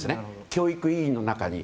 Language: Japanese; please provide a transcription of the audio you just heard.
教育委員の中で。